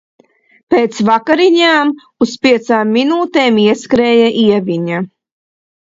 Pēc vakariņām uz piecām minūtēm ieskrēja Ieviņa.